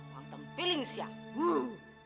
langsung pilih siaguru